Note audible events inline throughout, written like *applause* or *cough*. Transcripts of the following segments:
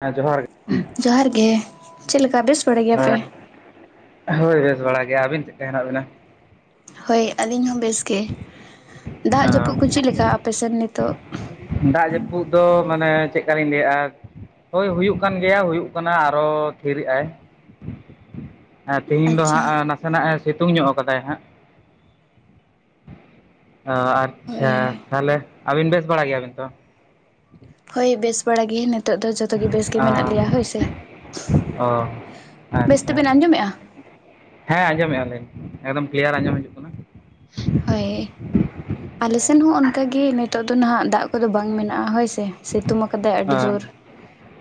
ᱟ ᱡᱚᱦᱟᱨ ᱜᱮ, ᱡᱚᱦᱟᱨ ᱜᱮ ᱪᱮᱫ ᱞᱮᱠᱟ ᱵᱮᱥ ᱵᱟᱲᱟ ᱜᱮᱭᱟᱯᱮ? ᱦᱮᱸ᱾ ᱦᱳᱭ ᱵᱮᱥ ᱵᱟᱲᱟ ᱜᱮᱭᱟ ᱵᱤᱱ, ᱪᱮᱫ ᱠᱟ ᱦᱮᱱᱟᱜ ᱵᱤᱱᱟ? ᱦᱳᱭ ᱟᱹᱞᱤᱧ ᱦᱚᱸ ᱵᱮᱥ ᱜᱮ, ᱫᱟᱜ ᱡᱟᱹᱯᱩᱜ ᱠᱚ ᱪᱮᱜ ᱞᱮᱠᱟ ᱟᱯᱮᱥᱮᱱ ᱱᱤᱛᱚᱜ? ᱫᱟᱜ ᱡᱟᱹᱯᱩᱫ ᱫᱚ ᱢᱟᱱᱮ ᱪᱮᱫ ᱠᱟ ᱞᱤᱧ ᱞᱟᱹᱭᱼᱟ, ᱦᱳᱭ ᱦᱩᱭᱩᱜ ᱠᱟᱱ ᱜᱮᱭᱟ, ᱦᱩᱭᱩᱜ ᱠᱟᱱᱟ ᱟᱨᱚ ᱛᱷᱤᱨᱮ ᱟᱭ᱾ ᱟᱸ ᱛᱮᱦᱤᱧ ᱫᱚ ᱟᱪᱪᱷᱟ ᱦᱟᱸᱜ ᱟᱸ ᱠᱷᱚᱱᱟᱜ ᱮ ᱥᱤᱛᱩᱝ ᱧᱚᱜ ᱟᱠᱟᱫᱟᱭ ᱦᱟᱸᱜ ᱚᱸ ᱟᱨ ᱦᱳᱭ ᱟᱪᱪᱷᱟ ᱦᱳᱭ ᱛᱟᱦᱮᱞᱮ ᱟᱹᱵᱤᱱ ᱵᱮᱥ ᱵᱟᱲᱟ ᱜᱮᱭᱟ ᱵᱤᱱ ᱛᱚ? ᱦᱳᱭ ᱵᱮᱥ ᱵᱟᱲᱟ ᱜᱮ ᱱᱮᱛ- ᱛᱚᱜ ᱫᱚ ᱡᱚᱛᱚ ᱜᱮ ᱵᱮᱥ ᱜᱮ ᱢᱮᱱᱟᱜ ᱞᱮᱭᱟ ᱦᱳᱭ ᱥᱮ, ᱚ ᱵᱮᱥ ᱟᱪᱪᱷᱟ ᱛᱮᱵᱮᱱ ᱟᱸᱡᱚᱢᱮᱜᱼᱟ? ᱦᱮᱸ ᱟᱸᱡᱚᱢᱮᱜᱼᱟ ᱞᱤᱧ ᱮᱠᱫᱚᱢ ᱠᱤᱞᱤᱭᱟᱨ ᱟᱸᱡᱚᱢ ᱦᱤᱡᱩᱜ ᱠᱟᱱ- ᱦᱳᱭ ᱟᱞᱮᱥᱮᱱ ᱦᱚᱸ ᱚᱱᱠᱟ ᱜᱮ ᱱᱮᱛᱚᱜ ᱫᱚ ᱱᱷᱟᱸᱜ ᱫᱟᱜ ᱠᱚᱫᱚ ᱵᱟᱝ ᱢᱮᱱᱟᱜᱼᱟ ᱦᱳᱭ ᱥᱮ᱾ ᱥᱤᱛᱩᱢ ᱟᱠᱟᱫᱟᱭ ᱟᱹᱰᱤ ᱦᱮᱸ ᱡᱩᱨ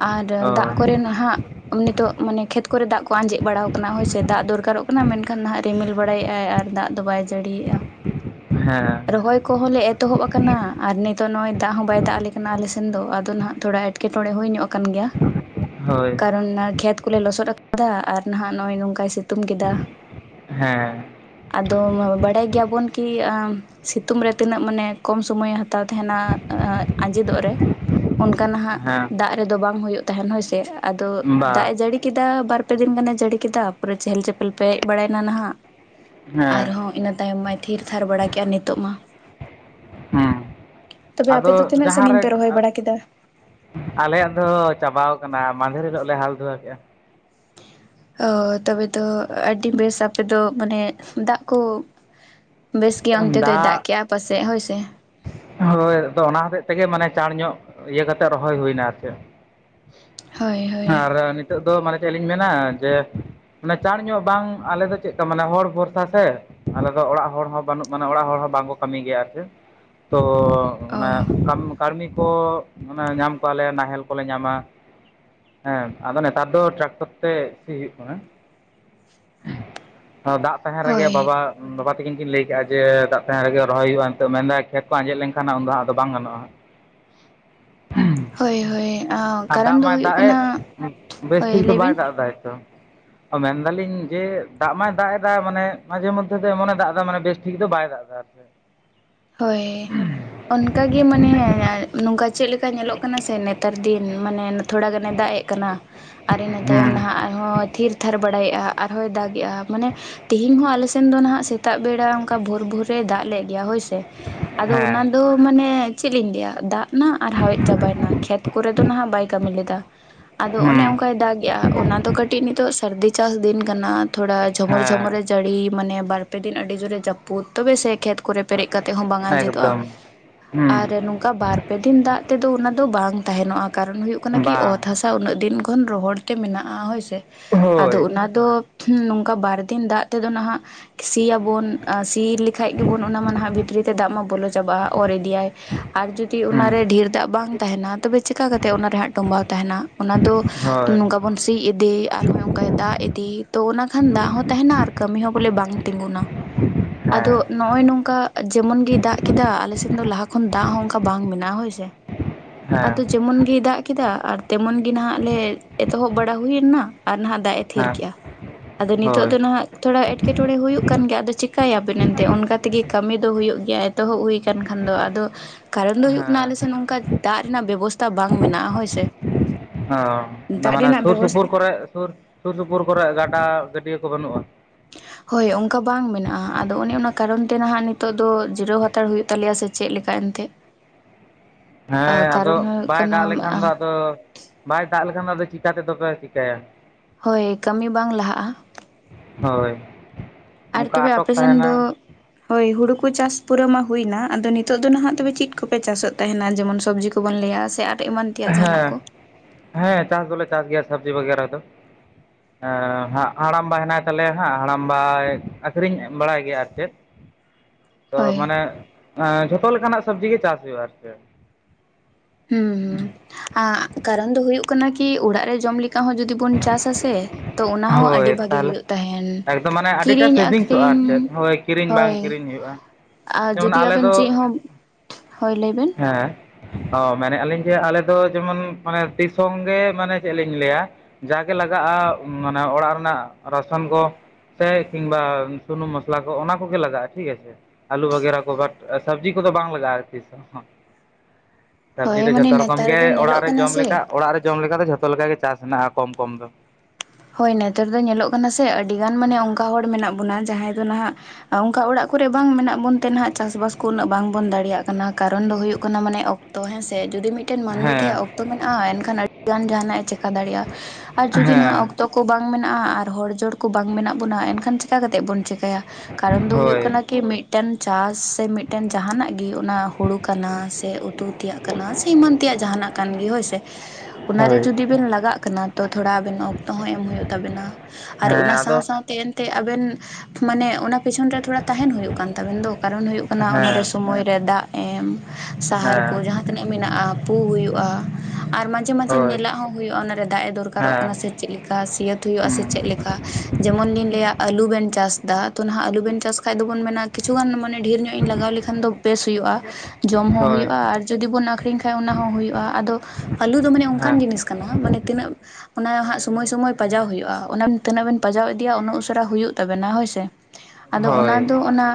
ᱟᱨ ᱚ ᱫᱟᱜ ᱠᱚᱨᱮ ᱱᱟᱦᱟᱸᱜ ᱱᱤᱛᱚᱜ ᱢᱟᱱᱮ ᱠᱷᱮᱛ ᱠᱚᱨᱮ ᱫᱟᱜ ᱠᱚ ᱟᱸᱡᱮᱜ ᱵᱟᱲᱟᱣᱟᱠᱟᱱᱟ ᱦᱳᱭ ᱥᱮ, ᱫᱟᱜ ᱫᱚᱨᱠᱟᱨᱚᱜ ᱠᱟᱱᱟ ᱢᱮᱱᱠᱷᱟᱱ ᱱᱷᱟᱜ ᱨᱤᱢᱤᱞ ᱵᱟᱲᱟᱭᱮᱜᱼᱟᱭ ᱟᱨ ᱫᱟᱜ ᱫᱚ ᱵᱟᱭ ᱡᱟᱹᱲᱤᱭᱮᱜᱼᱟ᱾ ᱦᱮᱸ, ᱨᱚᱦᱚᱭ ᱠᱚᱦᱚ ᱞᱮ ᱮᱛᱚᱦᱚᱵ ᱟᱠᱟᱱᱟ ᱟᱨ ᱱᱤᱛᱚᱜ ᱱᱚᱜᱼᱚᱭ ᱫᱟᱜ ᱦᱚᱸ ᱵᱟᱭ ᱫᱟᱜ ᱟᱞᱮ ᱠᱟᱱᱟ ᱟᱞᱮᱥᱮᱱ ᱫᱚ ᱟᱫᱚ ᱱᱷᱟᱜ ᱛᱷᱚᱲᱟ ᱮᱴ- ᱠᱮ ᱴᱚᱬᱮ ᱦᱩᱭ ᱧᱚᱜ ᱟᱠᱟᱱ ᱜᱮᱭᱟ, *unintelligible* ᱦᱳᱭ ᱟᱫᱚ ᱚᱱᱟ ᱠᱷᱮᱛ ᱠᱚᱞᱮ ᱞᱚᱥᱚᱫ ᱟᱠᱟᱫᱟ ᱟᱨ ᱱᱟᱦᱟᱸᱜ ᱱᱚᱜᱼᱚᱭ ᱱᱚᱝᱠᱟ ᱥᱤᱛ- ᱛᱩᱢ ᱠᱮᱫᱟ, ᱦᱮᱸ ᱟᱫᱚᱻᱢ ᱵᱟᱲᱟᱭ ᱜᱮᱭᱟ ᱵᱚᱱ ᱠᱤ ᱟᱸᱢ ᱥᱤᱛᱩᱝ ᱨᱮ ᱛᱤᱱᱟᱹᱜ ᱢᱟᱱᱮ ᱠᱚᱢ ᱥᱚᱢᱚᱭᱮ ᱦᱟᱛᱟᱣ ᱛᱟᱦᱮᱸᱱᱟ, ᱟᱸ ᱟᱸᱡᱮᱫᱚᱜ ᱨᱮ, *inaudible* ᱚᱱᱠᱟ ᱱᱟᱦᱟᱸᱜ ᱦᱮᱸ ᱫᱟᱜ ᱨᱮᱫᱚ ᱵᱟᱝ ᱦᱩᱭᱩᱜ ᱛᱟᱦᱮᱸᱱ ᱦᱳᱭ ᱥᱮ, ᱟᱫᱚ ᱵᱟ ᱫᱟᱜ ᱮ ᱡᱟᱹᱲᱤ ᱠᱮᱫᱟ ᱵᱟᱨ ᱯᱮ ᱫᱤᱱ ᱜᱟᱱᱮ ᱡᱟᱹᱲᱤ ᱠᱮᱫᱟ, ᱯᱩᱨᱟᱹ ᱪᱮᱦᱮᱞ ᱪᱮᱯᱮᱞ ᱯᱮᱨᱮᱡ ᱵᱟᱲᱟᱭᱮᱱᱟ ᱱᱷᱟᱸᱜ ᱦᱮᱸ ᱟᱨᱦᱚᱸ ᱤᱱᱟᱹ ᱛᱟᱭᱚᱢ ᱢᱟᱭ ᱰᱷᱤᱨ ᱛᱷᱟᱨ ᱵᱟᱲᱟ ᱠᱮᱜᱼᱟ ᱱᱤᱛᱚᱜ ᱢᱟ᱾ ᱦᱩᱸ ᱛᱚᱵᱮ ᱟᱯᱮ ᱫᱚ ᱟᱫᱚ ᱛᱤᱱᱟᱹᱜ ᱥᱟᱺᱜᱤᱧ ᱯᱮ ᱨᱚᱦᱚᱭ ᱵᱟᱲᱟ ᱠᱮᱫᱟ? ᱟᱞᱦᱮᱭᱟᱜ ᱫᱚ ᱪᱟᱵᱟᱣᱟᱠᱟᱱᱟ ᱢᱟᱸᱫᱷᱮᱨ ᱦᱤᱞᱳᱜ ᱞᱮ ᱦᱟᱞ ᱫᱷᱚᱦᱟᱣ ᱠᱮᱜᱼᱟ᱾ ᱚ ᱛᱚᱵᱮ ᱛᱚ ᱟᱹᱰᱤ ᱵᱮᱥ ᱟᱯᱮ ᱫᱚ ᱢᱟᱱᱮ ᱫᱟᱜ ᱠᱚ ᱵᱮᱥ ᱜᱮᱭᱟ ᱚᱱᱛᱮ ᱫᱚᱭ ᱫᱟᱜ ᱠᱮᱜᱼᱟ ᱯᱟᱥᱮᱜ ᱦᱳᱭ ᱥᱮ᱾ ᱦᱳᱭ ᱟᱫᱚ ᱚᱱᱟ ᱦᱚᱛᱮᱜ ᱛᱮᱜᱮ ᱢᱟᱱᱮ ᱪᱟᱬ ᱧᱚᱜ ᱤᱭᱟᱹ ᱠᱟᱛᱮᱫ ᱨᱚᱦᱚᱭ ᱦᱩᱭ ᱮᱱᱟ ᱟᱨ ᱪᱮᱫ? ᱦᱳᱭ ᱦᱳᱭ ᱟᱨ ᱱᱤᱛᱚᱜ ᱫᱚ ᱢᱟᱱᱮ ᱪᱮᱫ ᱞᱤᱧ ᱢᱮᱱᱟ ᱡᱮ ᱢᱟᱱᱮ ᱪᱟᱬ ᱧᱚᱜ ᱵᱟᱝ ᱟᱞᱮ ᱫᱚ ᱪᱮᱜ ᱠᱟ ᱢᱟᱱᱮ ᱦᱚᱲ ᱵᱷᱚᱨᱥᱟ ᱥᱮ ᱟᱞᱮ ᱫᱚ ᱚᱲᱟᱜ ᱦᱚᱲ ᱦᱚᱸ ᱵᱟᱹᱱᱩᱜ ᱢᱟᱱᱮ ᱚᱲᱟᱜ ᱦᱚᱲ ᱦᱚᱸ ᱵᱟᱝ ᱠᱚ ᱠᱟᱹᱢᱤ ᱜᱮᱭᱟ ᱟᱨ ᱪᱮᱫ, ᱛᱚ ᱚ ᱚᱱᱟ ᱠᱟᱢ ᱠᱟᱹᱲᱢᱤ ᱠᱚᱻᱜ ᱢᱟᱱᱮ ᱧᱟᱢ ᱠᱚᱣᱟ ᱞᱮ ᱱᱟᱦᱮᱞ ᱠᱚᱞᱮ ᱧᱟᱢᱼᱟᱸ, ᱦᱮᱸ ᱟᱫᱚ ᱱᱮᱛᱟᱨ ᱫᱚ ᱴᱨᱟᱠᱴᱚᱨ ᱛᱮᱜ ᱥᱤ ᱦᱩᱭᱩᱜ ᱠᱟᱱᱟ᱾ *inaudible* ᱦᱚᱸ ᱫᱟᱜ ᱛᱟᱦᱮᱸᱱ ᱨᱮᱜᱮ ᱦᱳᱭ ᱵᱟᱵᱟ, ᱵᱟᱵᱟ ᱛᱤᱠᱤᱱ ᱠᱤᱱ ᱞᱟᱹᱭ ᱠᱮᱜᱼᱟ, ᱡᱮ ᱫᱟᱜ ᱛᱟᱦᱸᱮᱱ ᱨᱮᱜᱮ ᱨᱚᱦᱚᱭ ᱦᱩᱭᱩᱜᱼᱟ, ᱱᱤᱛᱚᱜ ᱢᱮᱱ ᱮᱫᱟᱭ ᱠᱷᱮᱛ ᱠᱚ ᱟᱸᱡᱮᱫ ᱞᱮᱱᱠᱷᱟᱱ ᱩᱱ ᱫᱚ ᱦᱟᱸᱜ ᱫᱚ ᱵᱟᱝ ᱜᱟᱱᱚᱜᱼᱟ ᱦᱟᱸᱜ ᱾ ᱦᱳᱭ ᱦᱳᱭ᱾ ᱟᱨ ᱫᱟᱜ ᱠᱟᱨᱚᱱ ᱫᱚ ᱢᱟᱭ ᱦᱩᱭᱩᱜ ᱫᱟᱜ ᱠᱟᱱᱟ ᱮᱫ, ᱵᱮᱥ ᱦᱳᱭ ᱴᱷᱤᱠ ᱫᱚ ᱞᱟᱹᱭ ᱵᱟᱭ ᱵᱤᱱ ᱫᱟᱜ ᱮᱫᱟᱭ ᱛᱚ᱾ ᱚ ᱢᱮᱱ ᱫᱟ ᱞᱤᱧ, ᱡᱮ ᱫᱟᱜ ᱢᱟᱭ ᱫᱟᱜ ᱮᱫᱟ ᱢᱟᱱᱮ ᱢᱟᱡᱷᱮ ᱢᱚᱫᱽ ᱫᱷᱮ ᱫᱚ ᱮᱢᱚᱱ ᱮ ᱫᱟᱜ ᱮᱫᱟ, ᱢᱟᱱᱮ ᱵᱮᱥᱴᱷᱤᱠ ᱫᱚ ᱵᱟᱭ ᱫᱟᱜ ᱮᱫᱟ ᱟᱨ ᱪᱮᱫ᱾ ᱦᱳᱭ ᱚᱱᱠᱟ ᱜᱮ ᱢᱟᱱᱮᱻᱮ ᱱᱚᱝᱠᱟ ᱪᱮᱫ ᱞᱮ- ᱠᱟ ᱧᱮᱞᱚᱜ ᱠᱟᱱᱟ ᱥᱮ, ᱱᱮᱛᱟᱨ ᱫᱤᱱ ᱢᱟᱱᱮᱻᱱ ᱛᱷᱚᱲᱟ ᱜᱟᱱ ᱮ ᱫᱟᱜ ᱮᱜ ᱠᱟᱱᱟ᱾ ᱟᱨ ᱤᱱᱟᱹ ᱦᱩᱸ ᱛᱟᱭᱚᱢ ᱱᱟᱦᱟᱜ ᱟᱨᱦᱚᱸ ᱛᱷᱤᱨ ᱛᱷᱷᱟᱨ ᱵᱟᱲᱟᱭᱮᱫᱼᱟ ᱟᱨᱦᱚᱸᱭ ᱫᱟᱜ ᱮᱼᱟ ᱢᱟᱱᱮᱼᱼ ᱛᱮᱤᱦᱤᱧ ᱦᱚᱸ ᱟᱞᱮ ᱥᱮᱱ ᱫᱚ ᱱᱟᱦᱟᱜ ᱥᱮᱛᱟᱜ ᱵᱮᱲᱟ ᱚᱱᱠᱟ ᱵᱷᱳᱨ ᱵᱷᱳᱨ ᱮ ᱫᱟᱜ ᱞᱮᱫᱜ ᱜᱮᱭᱟ ᱦᱳᱭᱥᱮ᱾ ᱟᱫᱚ ᱦᱮᱸ ᱚᱱᱟ ᱫᱚ ᱢᱟᱱᱮ ᱪᱮᱫ ᱞᱧ ᱞᱟᱹᱭᱟ ᱫᱟᱜᱼᱼ ᱱᱟ ᱟᱨᱦᱟᱣᱮᱫ ᱪᱟᱵᱟᱭᱮᱱᱟ ᱠᱷᱮᱛ ᱠᱚᱨᱮᱮᱫ ᱫᱚ ᱱᱟᱦᱟᱜ ᱵᱟᱭ ᱠᱟᱹᱢᱤ ᱞᱮᱫᱟ᱾ ᱟᱫᱚ ᱚᱱᱮ ᱦᱩᱸ ᱚᱱᱠᱟᱭ ᱫᱟᱜ ᱮᱮᱜᱼᱟ ᱚᱱᱟ ᱫᱚ ᱠᱟᱹᱴᱤᱡ ᱱᱤᱛᱳᱜ ᱥᱟᱹᱨᱫᱤ ᱪᱟᱥ ᱫᱤᱱ ᱠᱟᱱᱟ᱾ ᱛᱷᱚᱲᱟ ᱡᱷᱚᱢᱚᱨ ᱡᱷᱚᱢᱚᱨᱮ ᱦᱮᱸ ᱡᱟᱹᱲᱤ ᱢᱟᱱᱮ ᱵᱟᱨ ᱯᱮ ᱫᱤᱱ ᱟᱹᱰᱤ ᱡᱳᱨᱮ ᱡᱟᱹᱯᱩᱫ ᱛᱚᱵᱮ ᱥᱮ ᱠᱷᱮᱛ ᱠᱚᱨᱮ ᱯᱮᱨᱮᱡᱼᱼ ᱠᱟᱛᱮ ᱦᱚᱸ ᱵᱟᱝ ᱟᱸᱡᱮᱫᱚᱜᱼᱟ ᱮᱠᱫᱚᱢ ᱟᱨ ᱦᱩᱸ ᱱᱚᱝᱼᱼ ᱠᱟ ᱵᱟᱨ ᱯᱮ ᱫᱤᱱ ᱫᱟᱜ ᱛᱮᱫᱚ ᱚᱱᱟ ᱫᱚ ᱵᱟᱝ ᱛᱟᱦᱮᱱᱚᱜᱼᱟ ᱠᱟᱨᱚᱱ ᱦᱩᱭᱩᱜ ᱠᱟᱱᱟ ᱠᱤ ᱚᱛ ᱵᱟᱝ ᱦᱟᱥᱟᱼᱼ ᱩᱱᱟᱹᱜ ᱫᱤᱱ ᱠᱷᱚᱱ ᱨᱚᱦᱚᱲ ᱛᱮ ᱢᱮᱱᱟᱜᱼᱟ ᱦᱳᱭ ᱥᱮ ᱟᱫᱚ ᱦᱳᱭ ᱚᱱᱟᱼᱼ ᱫᱚ ᱱᱚᱝᱼᱠᱟ ᱵᱟᱨ ᱫᱤᱱ ᱫᱟᱜ ᱛᱮᱫᱚ ᱱᱟᱦᱟᱜ ᱥᱤᱭᱟᱵᱚᱱ ᱥᱤ ᱞᱮᱠᱷᱟᱡ ᱜᱮᱵᱚᱱ ᱚᱱᱟᱢᱟ ᱱᱟᱦᱟᱜ ᱵᱷᱤᱛᱨᱤ ᱛᱮ ᱫᱟᱜ ᱢᱟ ᱵᱚᱞᱚ ᱪᱟᱵᱟᱜᱼᱟ ᱚᱨ ᱤᱫᱤᱭᱟᱭ᱾ ᱟᱨ ᱡᱩᱫᱤ ᱦᱩᱸ ᱚᱱᱟᱨᱮ ᱰᱷᱮᱨ ᱫᱟᱜ ᱵᱟᱝ ᱛᱟᱦᱮᱱᱟ ᱛᱚᱵᱮ ᱪᱮᱠᱟ ᱠᱟᱛᱮ ᱚᱱᱟ ᱨᱮ ᱦᱟᱸᱜ ᱴᱚᱸᱵᱟᱣ ᱛᱟᱦᱮᱱᱟ ᱚᱱᱟ ᱫᱚᱼᱼ ᱦᱚ ᱱᱚᱝᱼᱠᱟ ᱵᱚᱱ ᱥᱤᱭ ᱤᱫᱤ ᱟᱨᱦᱚᱸ ᱚᱱᱠᱟᱭ ᱫᱟᱜ ᱤᱫᱤ ᱛᱚ ᱚᱱᱟ ᱠᱷᱟᱱ ᱫᱟᱜ ᱦᱚᱸ ᱛᱟᱦᱮᱱᱟ ᱟᱨ ᱠᱟᱹᱢᱤ ᱦᱚᱸ ᱵᱚᱞᱮ ᱵᱟᱝ ᱛᱤᱸᱜᱩᱱᱟ᱾ ᱟᱫᱚ ᱦᱮᱸ ᱱᱚᱜᱼᱚᱭᱭ ᱱᱚᱝᱼᱠᱟ ᱡᱮᱢᱚᱱ ᱜᱮᱭ ᱫᱟᱜ ᱠᱮᱫᱟ ᱟᱞᱮᱥᱱ ᱫᱚ ᱞᱟᱦᱟ ᱠᱷᱚᱱ ᱫᱟᱜ ᱦᱚᱸ ᱚᱱᱠᱟ ᱵᱟᱝ ᱢᱮᱱᱟᱜᱼᱟ ᱦᱳᱭᱥᱮ᱾ ᱦᱮᱸ ᱟᱫᱚ ᱡᱮᱢᱚᱱ ᱜᱮᱭ ᱫᱟᱜ ᱠᱮᱫᱟᱼᱼ ᱛᱮᱢᱚᱱ ᱜᱮᱤ ᱱᱟᱦᱟᱜ ᱞᱮ ᱮᱛᱚᱦᱚᱵ ᱵᱟᱲᱟ ᱦᱩᱭᱱᱟ ᱟᱨ ᱱᱟᱦᱟᱜ ᱫᱟᱜᱼᱼ ᱛᱷᱤᱨ ᱦᱮᱸ ᱠᱮᱜᱼᱟ ᱟᱫᱚ ᱱᱤᱛᱚᱜᱜ ᱦᱳᱭ ᱫᱚ ᱱᱟᱦᱟᱜᱼᱼ ᱛᱷᱚᱲᱟ ᱮᱴᱠᱮᱴᱚᱬᱮ ᱦᱩᱭᱩᱜ ᱠᱟᱱ ᱜᱮᱭᱟ ᱟᱫᱚ ᱪᱮᱤᱠᱟᱹᱭᱟᱵᱱ ᱮᱱᱛᱮ ᱚᱱᱠᱟ ᱛᱮᱜᱮᱼᱼ ᱠᱟᱹᱢᱤ ᱫᱚ ᱦᱩᱭᱩᱜ ᱜᱮᱭᱟ ᱮᱛᱚᱦᱚᱵ ᱦᱩᱭ ᱟᱠᱟᱱ ᱠᱷᱟᱱ ᱫᱚ ᱟᱫᱚᱼᱼ ᱠᱟᱨᱚᱱ ᱫᱚ ᱦᱩᱭᱩᱜ ᱠᱟᱱᱟ ᱦᱮᱸ ᱟᱞᱮᱮᱥᱮᱫ ᱱᱚᱝᱠᱟ ᱫᱟᱜ ᱨᱮᱱᱟᱜ ᱵᱮᱵᱚᱥᱛᱷᱟ ᱵᱟᱝ ᱢᱮᱱᱟᱜᱼᱟ ᱦᱳᱭ ᱥᱮ ᱦ ᱫᱟᱜ ᱢᱟᱱᱮ ᱨᱮᱱᱟᱜ ᱥᱩᱨ ᱵᱮᱵᱚᱥ ᱥᱩᱯᱩᱨ ᱠᱚᱨᱮ ᱥᱩᱨ ᱥᱩᱯᱩᱨ ᱠᱚᱨᱮ ᱜᱟᱰᱟ ᱜᱟᱹᱰᱭᱟᱹ ᱠᱚ ᱵᱟᱹᱱᱩᱜᱼᱟ? ᱦᱳᱭ ᱚᱱᱠᱟ ᱵᱟᱝ ᱢᱮᱱᱟᱜᱼᱟ ᱟᱫᱚ ᱚᱱᱮ ᱚᱱᱟ ᱠᱟᱨᱚᱱ ᱛᱮ ᱱᱟᱦᱟᱜ ᱱᱤᱛᱚᱜ ᱫᱚ ᱡᱤᱨᱟᱹᱣ ᱦᱟᱛᱟᱲ ᱦᱩᱭᱩᱜ ᱛᱟᱞᱮᱭᱟ ᱥᱮᱼᱼ ᱪᱮᱫ ᱞᱮᱠᱟ ᱮᱱᱛᱮᱫ᱾ ᱦᱮᱸ ᱟᱫᱚ ᱦᱩᱭᱩᱜ ᱵᱟᱭ ᱫᱟᱜ ᱞᱮᱠᱷᱟᱱ ᱫᱚ ᱠᱟᱱᱟ ᱟᱫᱚᱼᱼ ᱵᱟᱭ ᱫᱟᱜ ᱞᱮᱠᱷᱟᱱ ᱫᱚ ᱟᱫᱚ ᱪᱤᱠᱟ ᱛᱮᱫᱚ ᱯᱮ ᱪᱤᱠᱟᱹᱭᱟ᱾ ᱦᱳᱭ ᱠᱟᱹᱢᱤ ᱵᱟᱝ ᱞᱟᱦᱟᱜᱼᱟ᱾ ᱦᱳᱭ ᱟᱨ ᱚᱱᱠᱟ ᱛᱚᱵᱮ ᱟᱴᱚᱠ ᱟᱯᱮ ᱥᱮᱱ ᱛᱟᱦᱮᱱᱟ ᱫᱚᱼᱼ ᱦᱳᱭ ᱦᱩᱲᱩ ᱠᱚ ᱪᱟᱥ ᱯᱩᱨᱟᱹ ᱢᱟ ᱦᱩᱭᱱᱟ ᱦᱳᱭ ᱦᱩᱲᱩ ᱠᱚ ᱪᱟᱥ ᱦᱩᱭ ᱱᱟ ᱟᱫᱚ ᱱᱤᱛᱚᱜ ᱫᱚ ᱱᱟᱦᱟᱜ ᱛᱚᱵᱮ ᱪᱮᱫ ᱠᱚᱯᱮ ᱪᱟᱥᱮᱫ ᱛ ᱛᱟᱦᱮᱱᱟ ᱡᱮᱢᱚᱱ ᱥᱚᱵᱡᱤ ᱠᱚᱼᱼ ᱵᱚᱱ ᱞᱟᱹᱭᱟ ᱥᱮ ᱟᱨ ᱮᱢᱟᱱᱼᱼ ᱦᱮᱸ ᱦᱮᱸ ᱪᱟᱥ ᱫᱚᱞᱮ ᱪᱟᱥ ᱜᱮᱭᱟ ᱥᱚᱵᱽᱡᱤ ᱵᱟᱟᱜᱨᱟ ᱫᱚᱼᱼ ᱦᱮᱸ ᱦᱟᱸᱜ ᱦᱟᱲᱟᱢᱵᱟ ᱦᱮᱱᱟᱭ ᱛᱟᱞᱮᱭᱟ ᱦᱟᱸᱜ, ᱦᱟᱲᱟᱢ ᱵᱟᱭ ᱟᱹᱠᱷᱨᱤᱧ ᱵᱟᱲᱟᱭ ᱜᱮᱭᱟ ᱟᱨ ᱪᱮᱫ᱾ ᱛᱚ ᱦᱳᱭ ᱢᱟᱱᱮ ᱦᱮᱸ ᱡᱷᱚᱛᱚ ᱞᱮᱠᱟᱱᱟᱜ ᱥᱚᱵᱡᱤ ᱜᱮ ᱪᱟᱥ ᱦᱩᱭᱩᱜᱼᱟ ᱟᱨᱠᱤ᱾ ᱦᱩᱸ ᱦᱩᱸ ᱟᱸᱜ ᱠᱟᱨᱚᱱ ᱫᱚ ᱦᱩᱭᱩᱜ ᱠᱟᱱᱟ ᱠᱤ ᱚᱲᱟᱜ ᱨᱮ ᱡᱚᱢ ᱞᱮᱠᱟ ᱦᱚᱸ ᱡᱩᱫᱤ ᱵᱚᱱ ᱪᱟᱥ ᱟᱥᱮ ᱛᱚ ᱚᱱᱟ ᱦᱚᱸ ᱟᱹᱰᱤ ᱦᱳᱭ ᱵᱷᱟᱜᱤ ᱛᱟᱦᱚᱞᱮ ᱦᱩᱭᱩᱜ ᱛᱟᱦᱮᱱ, ᱮᱠᱫᱚᱢ ᱢᱟᱱᱮ ᱟᱹᱰᱤᱴᱟ ᱠᱤᱨᱤᱧ ᱥᱮᱵᱷᱤᱝᱥᱚᱜᱼᱟ ᱟᱹᱠᱷᱨᱤᱧ ᱟᱨ ᱪᱮᱫ ᱦᱳᱭ ᱠᱤᱨᱤᱧ ᱵᱟᱝ ᱠᱤᱨᱤᱧ ᱦᱩᱭᱩᱜᱼᱟ᱾ ᱟᱨ ᱡᱮᱢᱚᱱ ᱡᱩᱫᱤ ᱟᱞᱮ ᱟᱵᱮᱱ ᱫᱚ ᱪᱮᱫ ᱦᱚᱸ, ᱦᱳᱭ ᱞᱟᱹᱭ ᱵᱮᱱ? ᱦᱚᱸ ᱢᱮᱱᱮᱫ ᱟᱹᱞᱤᱧ ᱡᱮ ᱟᱞᱮ ᱫᱚ ᱡᱮᱢᱚᱱ ᱢᱟᱱᱮ ᱛᱤᱥ ᱦᱚᱸᱜ ᱜᱮ ᱢᱟᱱᱮ ᱪᱮᱫ ᱞᱤᱧ ᱞᱟᱹᱭᱟ ᱡᱟ ᱜᱮ ᱞᱟᱜᱟᱜᱼᱟ ᱢᱟᱱᱮ ᱚᱲᱟᱜ ᱨᱮᱱᱟᱜ ᱨᱟᱥᱚᱱ ᱠᱚ᱾ ᱥᱮ ᱠᱤᱢᱵᱟ ᱥᱩᱱᱩᱢ ᱢᱚᱥᱞᱟ ᱠᱚ ᱚᱱᱟ ᱠᱚᱜᱮ ᱞᱟᱜᱟᱜᱼᱟ ᱴᱷᱤᱠ ᱟᱪᱷᱮ᱾ ᱟᱹᱞᱩ ᱵᱮᱜᱮᱨᱟ ᱠᱚ ᱵᱟᱴ ᱥᱟᱵᱽᱡᱤ ᱠᱚᱫᱚ ᱵᱟᱝ ᱞᱟᱜᱟᱜᱼᱟ ᱟᱨᱠᱤ, ᱦᱳᱭ ᱥᱚᱵᱽᱡᱤ ᱫᱚ ᱢᱟᱱᱮ ᱡᱷᱚᱛᱚ ᱨᱚᱠᱚᱢ ᱱᱮᱛᱟᱨ ᱜᱮ ᱫᱚ ᱧᱮᱞᱚᱜ ᱚᱲᱟᱜ ᱨᱮ ᱠᱟᱱᱟ ᱡᱚᱢ ᱥᱮ ᱞᱮᱠᱟ ᱚᱲᱟᱜ ᱨᱮ ᱡᱚᱢ ᱞᱮᱠᱟ ᱫᱚ ᱡᱷᱚᱛᱚ ᱞᱮᱠᱟᱜᱮ ᱪᱟᱥ ᱦᱮᱱᱟᱜ-ᱟ ᱠᱚᱢ ᱠᱚᱢ ᱫᱚ᱾ ᱦᱳᱭ ᱱᱮᱛᱟᱨ ᱫᱚ ᱧᱮᱞᱚᱜ ᱠᱟᱱᱟ ᱥᱮ ᱟᱹᱰᱤ ᱜᱟᱱ ᱢᱟᱱᱮ ᱚᱱᱠᱟ ᱦᱚᱲ ᱢᱮᱱᱟᱜ ᱵᱚᱱᱟ ᱡᱟᱦᱟᱸᱭ ᱫᱚ ᱱᱟᱦᱟᱜ ᱚᱝᱠᱟ ᱚᱲᱟᱜ ᱠᱚᱨᱮᱜ ᱵᱟᱝ ᱢᱮᱱᱟᱜ ᱵᱚᱱ ᱛᱮ ᱱᱟᱦᱟᱜ ᱪᱟᱥ ᱵᱟᱥ ᱠᱚ ᱩᱱᱟᱹᱜ ᱵᱟᱝ ᱵᱚᱱ ᱫᱟᱲᱮᱭᱟᱜ ᱠᱟᱱᱟ ᱠᱟᱨᱚᱱ ᱫᱚ ᱦᱩᱭᱩᱜ ᱠᱟᱱᱟ ᱢᱟᱱᱮ ᱚ ᱛᱚ ᱦᱮᱸ ᱥᱮ ᱡᱩᱫᱤ ᱢᱤᱫ ᱢᱤᱫ ᱴᱮᱱ ᱢᱟᱹᱱᱢᱤ ᱦᱮᱸ ᱴᱷᱮᱱ ᱚᱠᱛᱚ ᱢᱮᱱᱟᱜᱼᱟ ᱮᱱᱠᱷᱟᱱ ᱟᱹᱰᱤ ᱜᱟᱱ ᱡᱟᱦᱟᱱᱟᱜ ᱮ ᱪᱮᱠᱟ ᱫᱟᱲᱮᱭᱟᱜᱼᱟ, ᱟᱨ ᱡᱩᱫᱤ ᱱᱟᱦᱟᱜ ᱚᱠ ᱦᱮᱸ ᱫᱚ ᱠᱚ ᱵᱟᱝ ᱢᱮᱱᱟᱜᱼᱟ ᱟᱨ ᱦᱚᱲ ᱡᱳᱲ ᱠᱚ ᱵᱟᱝ ᱢᱮᱱᱟᱜ ᱵᱚᱱᱟ ᱮᱱᱠᱷᱟᱱ ᱪᱤᱠᱟ ᱠᱟᱛᱮ ᱵᱚᱱ ᱪᱮᱠᱟᱭᱟ ᱠᱟᱨᱚᱱ ᱫᱚ ᱦᱩᱭᱩᱜ ᱦᱳᱭ ᱠᱟᱱᱟ ᱠᱤ ᱢᱤᱫᱴᱮᱱ ᱪᱟᱥ ᱥᱮ ᱢᱤᱫ ᱢᱤᱫᱴᱮᱱ ᱡᱟᱦᱟᱱᱟᱜ ᱜᱮ ᱚᱱᱟ ᱦᱩᱲᱩ ᱠᱟᱱᱟ ᱥᱮ ᱩᱛᱩ ᱛᱮᱭᱟᱜ ᱠᱟᱱᱟ ᱥᱮ ᱮᱢᱟᱱ ᱛᱮᱭᱟᱜ ᱡᱟᱦᱟᱱᱟᱜ ᱠᱟᱱ ᱜᱮ ᱦᱳᱭ ᱥᱮ ᱚᱱᱟ ᱨᱮ ᱦᱳᱭ ᱡᱩᱫᱤ ᱵᱤᱱ ᱞᱟᱜᱟᱜ ᱠᱟᱱᱟ ᱛᱚ ᱛᱷᱚᱲᱟ ᱟᱵᱮᱱ ᱚᱯᱷᱼᱼ ᱦᱚᱸ ᱮᱢ ᱦᱩᱭᱩᱜ ᱛᱟᱵᱮᱱᱟ ᱟᱨ ᱦᱮᱸ ᱚᱱᱟ ᱥᱟᱶ ᱟᱫᱚ ᱥᱟᱶ ᱛᱮ ᱮᱱᱛᱮ ᱟᱵᱮᱱ ᱢᱟᱱᱮ ᱚᱱᱟ ᱯᱤᱪᱷᱚᱱ ᱨᱮ ᱛᱷᱚᱲᱟ ᱛᱟᱦᱮᱱ ᱦᱩᱭᱩᱜ ᱠᱟᱱ ᱛᱟᱵᱮᱱ ᱫᱚ᱾ ᱠᱟᱨᱚᱱ ᱦᱩᱭᱩᱜ ᱠᱟᱱᱟ ᱚᱱᱟ ᱨᱮ ᱦᱮᱸ ᱥᱚᱢᱚᱭ ᱨᱮ ᱫᱟᱜ ᱮᱢ ᱥᱟᱦᱟᱨ ᱠᱚ ᱦᱮᱸ ᱡᱟᱦᱟᱸ ᱛᱤᱱᱟᱹᱜ ᱢᱮᱱᱟᱜᱼᱟ ᱯᱩ ᱦᱩᱭᱩᱜᱼᱟ᱾ ᱟᱨ ᱢᱟᱡᱷᱮ ᱢᱟᱡᱷᱮ ᱦᱳᱭ ᱧᱮᱞᱟᱜ ᱦᱚᱸ ᱦᱩᱭᱩᱜᱼᱟ, ᱚᱱᱟ ᱨᱮ ᱫᱟᱜ ᱮ ᱫᱚᱨᱠᱟᱨᱚᱜ ᱦᱮᱸ ᱠᱟᱱᱟ ᱥᱮ ᱪᱮᱫ ᱞᱮᱠᱟ ᱥᱤᱭᱟᱹᱛ ᱦᱩᱭᱩᱜᱼᱟ ᱥᱮ ᱦᱩᱸ ᱪᱮᱫ᱾ *unintelligible* ᱡᱮᱢᱚᱱ ᱞᱤᱧ ᱞᱟᱹᱭᱟ ᱟᱹᱞᱩ ᱵᱮᱱ ᱪᱟᱥ ᱮᱫᱟ ᱛᱚ ᱱᱟᱜ ᱟᱹᱞᱩ ᱵᱮᱱ ᱪᱟᱥ ᱠᱷᱟᱡ ᱫᱚᱵᱚᱱ ᱢᱮᱱᱟ ᱠᱤᱪᱷᱟ ᱜᱟᱱ ᱰᱷᱮᱨ ᱧᱚᱜ ᱧᱚᱜ ᱤᱧ ᱞᱟᱜᱟᱣ ᱞᱮᱠᱷᱟᱱ ᱫᱚ ᱵᱮᱥ ᱦᱩᱭᱩᱜᱼᱟ᱾ ᱡᱚᱢ ᱦᱚᱸ ᱦᱳᱭ ᱦᱩᱭᱩᱜᱼᱟ ᱟᱨ ᱡᱩᱫᱤ ᱵᱚᱱ ᱟᱠᱷᱨᱤᱧ ᱠᱷᱟᱡ ᱚᱱᱟ ᱦᱚᱸ ᱦᱩᱭᱩᱜᱼᱟ᱾ ᱟᱫᱚ ᱟᱹᱞᱩ ᱫᱚ ᱢᱟᱱᱮ ᱦᱮᱸ ᱚᱱᱠᱟᱱ ᱡᱤᱱᱤᱥᱼᱼ ᱠᱟᱱᱟ ᱢᱟᱱᱮ ᱛᱤᱱᱟᱹᱜ *unintelligible* ᱥᱚᱢᱚᱭ ᱥᱚᱢᱚᱭ ᱯᱟᱡᱟᱣ ᱦᱩᱭᱩᱜᱼᱟ, ᱚᱱᱟ ᱛᱤᱱᱟᱹᱜ ᱵᱮᱱ ᱯᱟᱡᱟᱣ ᱤᱫᱤᱭᱟ ᱩᱱᱟᱹᱜ ᱩᱥᱟᱨᱟ ᱦᱩᱭᱩᱜ ᱛᱟᱵᱮᱱᱟ ᱦᱳᱭ ᱥᱮ ᱟᱫᱚ ᱚᱱᱟ ᱦᱳᱭ ᱫᱚ ᱚᱱᱟ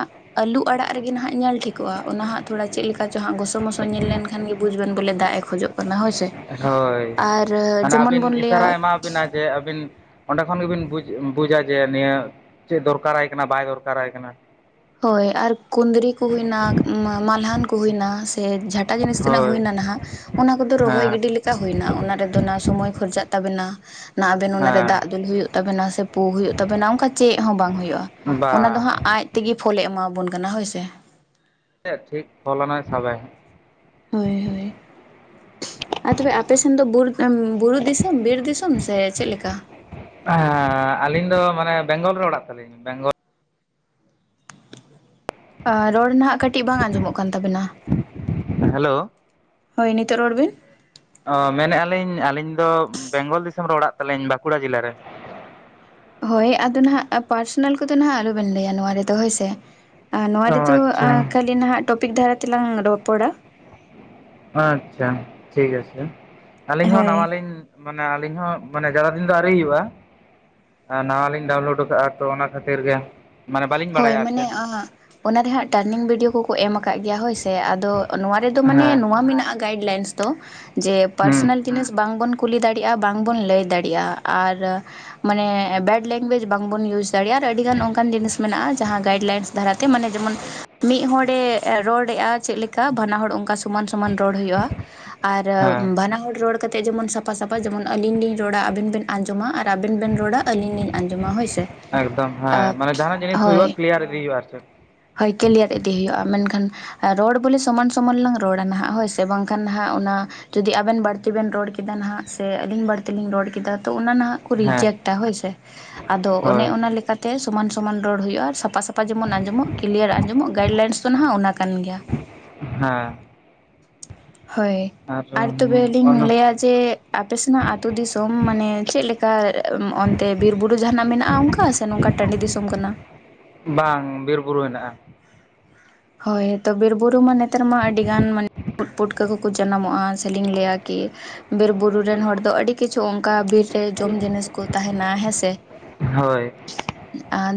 ᱟᱹᱞᱩ ᱟᱲᱟᱜ ᱨᱮᱜᱮ ᱱᱟᱜ ᱧᱮᱞ ᱴᱷᱤᱠᱼᱼ *unintelligible* ᱚᱱᱟ ᱦᱟᱸᱜ ᱛᱷᱚᱲᱟ ᱪᱮᱫ ᱞᱮᱠᱟ ᱪᱚ ᱦᱟᱸᱜ ᱜᱚᱥᱚᱢᱚᱥᱚ ᱧᱮᱞ ᱞᱮᱱ ᱠᱷᱟᱱ ᱜᱮ ᱵᱩᱡᱽ ᱵᱮᱱ ᱵᱚᱞᱮ ᱫᱟᱜ ᱮ ᱠᱷᱚᱡᱚᱜᱼᱼ ᱚᱱᱟ ᱦᱳᱭ ᱥᱮ ᱦᱳᱭ ᱟᱨ ᱡᱮᱢᱚᱱ ᱵᱚᱱ ᱞᱟᱹᱭᱟ᱾ ᱟᱵᱤᱱᱟᱜ ᱡᱮ ᱟᱵᱤᱱ ᱚᱸᱰᱮ ᱠᱷᱚᱱ ᱜᱮ ᱵᱤᱱ ᱵᱩᱡ ᱵᱩᱡᱟ ᱡᱮ ᱱᱤᱭᱟᱹ ᱪᱮᱫ ᱫᱚᱨᱠᱟᱨᱟᱭ ᱠᱟᱱᱟ ᱵᱟᱭ ᱫᱚᱨᱠᱟᱨᱟᱭ ᱠᱟᱱᱟ᱾ ᱦᱳᱭ ᱟᱨ ᱠᱩᱸᱫᱽᱨᱤ ᱠᱚ ᱦᱩᱭᱱᱟ, ᱢᱟᱞᱦᱟᱱ ᱠᱩ ᱦᱩᱭᱱᱟ ᱥᱮ ᱡᱷᱟᱴᱼᱼ ᱮᱴᱟᱜ ᱡᱤᱱᱤᱥ ᱛᱤᱱᱟᱹᱜ ᱦᱳᱭ ᱦᱩᱭ ᱮ ᱱᱟᱦᱟᱜ ᱚᱱᱟ, ᱠᱚᱫᱚ ᱨᱚᱦᱚᱭ ᱦᱮᱸ ᱜᱤᱰᱤᱼᱼ ᱪᱮᱠᱟ ᱦᱩᱭᱱᱟ᱾ ᱚᱱᱟ ᱨᱮᱫᱚ ᱚᱱᱟ ᱥᱚᱢᱚᱭ ᱠᱷᱚᱨᱪᱟᱜ ᱛᱟᱵᱮᱱᱟ᱾ ᱚᱱᱟ ᱟᱵᱮᱱ ᱚᱱᱟ ᱨᱮ ᱫᱟᱜ ᱦᱮᱸ ᱫᱩᱞ ᱦᱩᱭᱩᱜ ᱛᱟᱵᱮᱱᱟ ᱥᱮ ᱯᱳ ᱦᱩᱭᱩᱜ ᱛᱟᱵᱮᱱᱟ ᱚᱱᱠᱟ ᱪᱮᱫ ᱦᱚᱸ ᱵᱟᱝ ᱦᱩᱭᱩᱜᱼᱟ᱾ ᱚᱱᱟ ᱫᱚ ᱵᱟᱝ ᱦᱟᱸᱜ ᱟᱡ ᱛᱮᱜᱮ ᱯᱷᱳᱞᱮ ᱮᱢᱟᱵᱚᱱ ᱠᱟᱱᱟ ᱦᱳᱭ ᱥᱮ *unintelligible* ᱴᱷᱤᱠ ᱯᱷᱚᱞᱱᱟᱭ *unintelligible* ᱦᱳᱭ ᱦᱳᱭ ᱟᱨ ᱛᱚᱵᱮ ᱟᱯᱮ ᱥᱮᱱ ᱫᱚ *unintelligible* ᱵᱩᱨᱩ ᱫᱤᱥᱚᱢ ᱵᱤᱨ ᱫᱤᱥᱚᱢ ᱥᱮ ᱪᱮᱫ ᱞᱮᱠᱟ? ᱮᱸᱻ ᱟᱹᱞᱤᱧ ᱫᱚ ᱢᱟᱱᱮ ᱵᱮᱝᱜᱚᱞ ᱨᱮ ᱚᱲᱟᱜ ᱛᱟᱹᱞᱤᱧ ᱵᱮᱝᱜᱚᱞᱼᱼ ᱟᱸ ᱨᱚᱲ ᱱᱟᱦᱟᱜ ᱠᱟᱹᱴᱤᱡ ᱵᱟᱝ ᱟᱸᱡᱚᱢᱚᱜ ᱠᱟᱱ ᱛᱟᱵᱮᱱᱟ? ᱦᱮᱞᱳ ᱦᱳᱭ ᱱᱤᱛᱚᱜ ᱨᱚᱲ ᱵᱤᱱ᱾ ᱚ ᱢᱮᱱᱮᱫ ᱟᱹᱞᱤᱧ ᱟᱹᱞᱤᱧ ᱫᱚ ᱵᱮᱝᱜᱚᱞ ᱫᱤᱥᱚᱢ ᱨᱮ ᱚᱲᱟᱜ ᱛᱟᱹᱞᱤᱧ ᱵᱟᱸᱠᱩᱲᱟ ᱡᱮᱞᱟ ᱨᱮ᱾ ᱦᱳᱭ ᱟᱫᱚ ᱱᱟᱦᱟᱜ ᱯᱟᱨᱥᱚᱱᱟᱞ ᱠᱚᱫᱚ ᱱᱟᱦᱟᱜ ᱟᱞᱚ ᱵᱮᱱ ᱞᱟᱹᱭᱟ ᱱᱚᱣᱟ ᱨᱮ ᱫᱚ ᱦᱳᱭ ᱥᱮ᱾ ᱱᱚᱣᱟ ᱚ ᱨᱮ ᱫᱚ ᱟᱸ ᱟᱪᱪᱷᱟ ᱠᱷᱟᱹᱞᱤ ᱱᱟᱦᱟᱜ ᱴᱚᱯᱤᱠ ᱫᱷᱟᱨᱟ ᱛᱮᱞᱟᱝ ᱨᱚᱯᱚᱲᱟ᱾ ᱟᱪᱪᱷᱟ ᱴᱷᱤᱠ ᱟᱪᱪᱷᱮ ᱟᱹᱞᱤᱧ ᱦᱚᱸ ᱱᱟᱣᱟ ᱦᱳᱭ ᱞᱤᱧᱼᱼ ᱢᱟᱱᱮ ᱟᱹᱞᱤᱧ ᱦᱚᱸ ᱢᱟᱱᱮ ᱡᱟᱫᱟ ᱫᱤᱱ ᱫᱚ ᱟᱹᱣᱨᱤ ᱦᱩᱭᱩᱜᱼᱟ᱾ ᱦᱮᱸ ᱱᱟᱣᱟ ᱞᱤᱧ ᱰᱟᱣᱩᱱᱞᱳᱰ ᱟᱠᱟᱜᱼᱟ ᱛᱚ ᱚᱱᱟ ᱠᱷᱟᱹᱛᱤᱨ ᱜᱮᱼᱼ ᱦᱳᱭ ᱢᱟᱱᱮ *unintelligible* ᱚᱱᱟ ᱨᱮ ᱦᱟᱸᱜ ᱴᱟᱨᱱᱤᱝ ᱵᱷᱤᱰᱭᱳ ᱠᱚᱠᱚ ᱮᱢ ᱟᱠᱟᱫ ᱜᱮᱭᱟ ᱦᱳᱭ ᱥᱮ᱾ ᱟᱫᱚ ᱱᱚᱣᱟ ᱨᱮᱫᱚ ᱢᱟᱱᱮ ᱦᱮᱸ ᱱᱚᱣᱟ ᱢᱮᱱᱟᱜᱼᱟ ᱜᱟᱭᱤᱥᱰ ᱞᱟᱭᱤᱱ ᱫᱚ ᱡᱮ ᱦᱩᱸ ᱯᱟᱨᱥᱚᱱᱟᱞᱼᱼ ᱡᱤᱱᱤᱥ ᱵᱟᱝ ᱵᱚᱱ ᱠᱩᱞᱤ ᱫᱟᱲᱮᱭᱟᱜᱼᱟ, ᱵᱟᱝ ᱵᱚᱱ ᱞᱟᱹᱭ ᱫᱟᱲᱮᱭᱟᱜᱼᱟ ᱟᱨ ᱢᱟᱱᱮ ᱵᱮᱰ ᱞᱮᱝᱜᱩᱭᱮᱡ ᱵᱟᱝ ᱵᱚᱱ ᱤᱭᱩᱡᱽ ᱫᱟᱲᱮᱭᱟᱜᱼᱟ ᱟᱨ ᱟᱹᱰᱤ ᱜᱟᱱ ᱚᱱᱠᱟᱱ ᱡᱤᱱᱤᱥᱼᱼ ᱢᱮᱱᱟᱜᱼᱟ, ᱡᱟᱦᱟᱸ ᱜᱟᱭᱤᱰ ᱞᱟᱭᱤᱱᱥ ᱫᱷᱟᱨᱟᱛᱮ ᱢᱟᱱᱮ ᱡᱮᱢᱚᱱ ᱢᱤᱫ ᱦᱚᱲᱮ ᱨᱚᱲᱮᱜᱼᱟ ᱪᱮᱫ ᱞᱮᱼᱼ ᱪᱮ ᱞᱮᱠᱟ ᱵᱟᱱᱟ ᱦᱚᱲ ᱚᱱᱠᱟ ᱥᱚᱢᱟᱱ ᱥᱚᱢᱟᱱ ᱨᱚᱲ ᱦᱩᱭᱩᱜᱼᱟ ᱾ *inaudible* ᱟᱨ ᱦᱮᱸ ᱵᱟᱱᱟ ᱦᱚᱲ ᱨᱚᱲ ᱠᱟᱛᱮ ᱡᱮᱢᱚᱱ ᱥᱟᱯᱷᱟ ᱥᱟᱯᱷᱟ ᱡᱮᱢᱚᱱ ᱟᱹᱞᱤᱧ ᱞᱤᱧᱼᱼ ᱨᱚᱲᱟ ᱟᱵᱤᱱ ᱵᱮᱱ ᱟᱸᱡᱚᱢᱟ ᱟᱨ ᱟᱵᱮᱱ ᱵᱮᱱ ᱨᱚᱲᱟ ᱟᱹᱞᱤᱧ ᱞᱤᱧ ᱟᱸᱡᱚᱢᱟ ᱦᱚᱭ ᱥᱮ ᱾ ᱨᱚᱲ ᱠᱤᱞᱤᱭᱟᱨ ᱤᱫᱤ ᱦᱩᱭᱩᱜᱼᱟ ᱟᱨ ᱪᱮᱫ ᱾ ᱦᱟᱞ ᱪᱟᱞᱤᱭᱟᱱ ᱤᱫᱤ ᱦᱩᱭᱩᱜᱼᱟ ᱢᱮᱱᱠᱷᱟᱱᱼᱼ ᱨᱚᱲ ᱵᱚᱞᱮ ᱥᱚᱢᱟᱱ ᱥᱚᱢᱟᱱ ᱞᱟᱝ ᱨᱚᱲᱟ ᱱᱟᱜ ᱦᱳᱭ ᱥᱮ, ᱵᱟᱝᱠᱷᱟᱱ ᱦᱟᱜ ᱚᱱᱟᱼᱼ ᱡᱩᱫᱤ ᱟᱵᱮᱱ ᱵᱟᱹᱲᱛᱤ ᱵᱮᱱ ᱨᱚᱲ ᱠᱮᱫᱟ ᱱᱟᱜ ᱥᱮ ᱟᱹᱞᱤᱧ ᱵᱟᱹᱲᱛᱤ ᱞᱤᱧ ᱨᱚᱲ ᱠᱮᱫᱟ ᱛᱚ, ᱚᱱᱟ ᱱᱟᱜᱼᱼ ᱠᱚ ᱦᱮᱸ ᱨᱤᱡᱮᱠᱴᱟ ᱦᱳᱭ ᱥᱮ ᱾ ᱟᱫᱚ ᱚᱱᱮ ᱦᱳᱭ ᱚᱱᱟ ᱞᱮᱠᱟᱛᱮᱼᱼ ᱛᱮ ᱥᱚᱢᱟᱱ ᱥᱚᱢᱟᱱ ᱨᱚᱲ ᱦᱩᱭᱩᱜᱼᱟ, ᱟᱨ ᱥᱟᱯᱷᱟ ᱥᱟᱯᱷᱟ ᱡᱮᱢᱚᱱ ᱟᱸᱡᱚᱢᱚᱜ ᱠᱤᱞᱤᱭᱟᱨ ᱟᱸᱡᱚᱢᱚᱜ ᱜᱟᱭᱤᱞᱟᱭᱤᱱᱥ ᱫᱚ ᱱᱟᱜ ᱚᱱᱟ ᱠᱟᱱ ᱜᱮᱭᱟ ᱾ ᱦᱮᱸ ᱾ ᱦᱮᱸ ᱟᱨ ᱛᱚᱵᱮᱞᱤᱧ ᱚᱱᱟ ᱞᱟᱹᱭᱟᱼᱼ ᱡᱮ ᱟᱯᱮ ᱥᱮᱱᱟᱜ ᱟᱹᱛᱩ ᱫᱤᱥᱚᱢ ᱢᱟᱱᱮ ᱪᱮᱫ ᱞᱮᱠᱟ ᱚᱱᱛᱮ ᱵᱤᱨ ᱵᱩᱨᱩ ᱡᱟᱦᱟ ᱱᱟᱜ ᱢᱮᱱᱟᱜᱼᱟ ᱚᱱᱠᱟ? ᱵᱟᱝᱟ ᱥᱮ ᱱᱚᱝᱠᱟ ᱴᱟᱺᱰᱤ ᱫᱤᱥᱚᱢ ᱠᱟᱱᱟ ᱾ ᱵᱟᱝ, ᱵᱤᱨ ᱵᱩᱨᱩ ᱦᱮᱱᱟᱜᱼᱟ ᱾ ᱦᱚᱭ ᱛᱚ, ᱵᱤᱨ ᱵᱩᱨᱩ ᱢᱟ ᱱᱚᱛᱮ ᱨᱮᱢᱟ ᱟᱹᱰᱤ ᱜᱟᱱ ᱢᱟᱱᱮ ᱾ ᱩᱫ ᱯᱩᱴᱠᱟᱹ ᱠᱚᱠᱚ ᱡᱟᱱᱟᱢᱚᱜᱼᱟ ᱥᱮᱞᱤᱧ ᱞᱟᱹᱭᱟ ᱠᱤᱼᱼ ᱵᱤᱨ ᱵᱩᱨᱩ ᱨᱮᱱ ᱦᱚᱲ ᱫᱚ ᱟᱹᱰᱤ ᱠᱤᱪᱷᱩ ᱚᱱᱠᱟ ᱵᱤᱨᱼᱼ ᱡᱚᱢ ᱡᱤᱱᱤᱥ ᱠᱚ ᱛᱟᱦᱮᱱᱟ ᱦᱮᱸ ᱥᱮ ᱾ ᱦᱳᱭ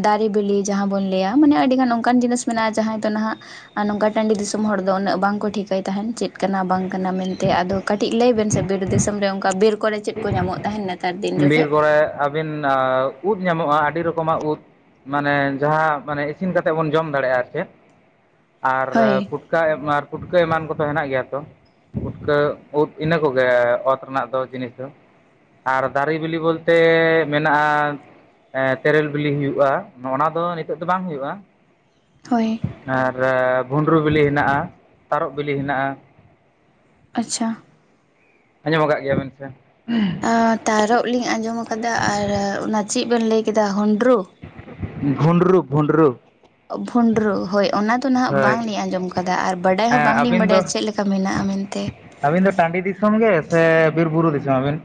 ᱫᱟᱨᱮ ᱵᱮᱞᱤ ᱡᱟᱦᱟᱸ ᱵᱚᱱ ᱞᱟᱹᱭᱟ, ᱢᱟᱱᱮ ᱟᱹᱰᱤ ᱜᱟᱱ ᱚᱱᱠᱟᱱ ᱡᱤᱱᱤᱥ ᱢᱮᱱᱟᱜᱼᱟ ᱡᱟᱦᱟᱸ ᱫᱚ ᱱᱟᱜᱼᱼ ᱟᱨ ᱱᱚᱝᱠᱟ ᱴᱟᱺᱰᱤ ᱫᱤᱥᱚᱢ ᱦᱚᱲ ᱫᱚ ᱩᱱᱟᱹᱜ ᱵᱟᱝᱠᱚ ᱴᱷᱤᱠᱟᱭ ᱛᱟᱦᱮᱱ ᱪᱮᱫ ᱠᱟᱱᱟ ᱵᱟᱝ ᱠᱟᱱᱟ ᱢᱮᱱᱛᱮ ᱟᱫᱚᱼᱼ ᱠᱟᱹᱴᱤᱡ ᱞᱟᱹᱭ ᱵᱮᱱ ᱥᱮ ᱵᱤᱨ ᱫᱤᱥᱚᱢ ᱨᱮ, ᱚᱱᱠᱟ ᱵᱤᱨ ᱠᱚᱨᱮ ᱪᱮᱫ ᱠᱚ ᱧᱟᱢᱚᱜ ᱛᱟᱦᱮᱱᱟ? ᱵᱤᱨ ᱠᱚᱨᱮ ᱟᱹᱵᱤᱱ ᱩᱫ ᱧᱟᱢᱚᱜᱼᱟ ᱟᱹᱰᱤ ᱨᱚᱠᱚᱢᱟᱜ ᱩᱫ ᱾ ᱢᱟᱱᱮ ᱡᱟᱦᱟᱸ ᱢᱟᱱᱮ ᱤᱥᱤᱱ ᱠᱟᱛᱮ ᱵᱚᱱ ᱡᱚᱢ ᱫᱟᱲᱮᱭᱟᱜᱼᱟ ᱟᱨ ᱪᱮᱫ ᱾ ᱟᱨᱼᱼ ᱦᱳᱭ ᱠᱟ ᱟᱨ ᱢᱟᱨ ᱯᱩᱴᱠᱟᱹ ᱮᱢᱟᱱ ᱠᱚᱫᱚ ᱦᱮᱱᱟᱜ ᱜᱮᱭᱟ ᱛᱚ ᱾ ᱯᱩᱴᱠᱟᱹ ᱩᱫ ᱤᱱᱟᱹ ᱠᱚᱜᱮ ᱚᱛ ᱨᱮᱱᱟᱜ ᱫᱚ ᱡᱤᱱᱤᱥ ᱫᱚ ᱟᱨᱼᱼ ᱫᱟᱨᱮ ᱵᱤᱞᱤ ᱵᱚᱞᱛᱮ ᱢᱮᱱᱟᱜᱼᱟᱼᱼ ᱛᱮᱨᱮᱞ ᱵᱤᱞᱤ ᱦᱩᱭᱩᱜᱼᱟ ᱱᱚᱜᱼᱚᱭ ᱱᱚᱣᱟ ᱫᱚ ᱱᱤᱛᱚᱜ ᱫᱚ ᱵᱟᱝ ᱦᱩᱭᱩᱜᱼᱟ ᱾ ᱦᱚᱭ ᱾ ᱟᱨ ᱵᱷᱩᱸᱰᱨᱩ ᱵᱤᱞᱤ ᱦᱮᱱᱟᱜᱼᱟ ᱛᱟᱨᱚᱵ ᱵᱤᱞᱤ ᱦᱮᱱᱟᱜᱼᱟ ᱾ ᱟᱪᱪᱷᱟ ᱾ ᱟᱸᱡᱚᱢ ᱟᱠᱟᱫ ᱜᱮᱭᱟᱵᱮᱱ ᱥᱮ ᱾ ᱛᱟᱨᱚᱵ ᱞᱤᱧ ᱟᱸᱡᱚᱢ ᱟᱠᱟᱫᱟ ᱟᱨ ᱚᱱᱟ ᱪᱮᱫ ᱵᱮᱱ ᱞᱟᱹᱭ ᱠᱮᱫᱟ ᱦᱩᱱᱰᱨᱩ ᱾ ᱵᱷᱩᱸᱰᱨᱩ ᱵᱷᱩᱸᱰᱨᱩ ᱾ ᱵᱷᱩᱸᱰᱨᱩ, ᱦᱚᱭ ᱚᱱᱟᱫᱚ ᱱᱟᱜ ᱵᱟᱝᱞᱤᱧ ᱟᱸᱡᱚᱢ ᱠᱟᱫᱟ ᱟᱨ ᱵᱟᱰᱟᱭ ᱦᱮᱸ ᱦᱚᱸ ᱵᱟᱝᱞᱤᱧ ᱵᱟᱰᱟᱭᱟ ᱪᱮᱫᱞ ᱞᱮᱠᱟ ᱢᱮᱱᱟᱜᱼᱟ ᱢᱮᱱᱛᱮ ᱾ ᱟᱵᱤᱱ ᱫᱚ ᱴᱟᱺᱰᱤ ᱫᱤᱥᱚᱢ ᱜᱮ ᱥᱮ ᱵᱤᱨ ᱵᱩᱨᱩ ᱫᱤᱥᱚᱢ ᱟᱵᱤᱱ?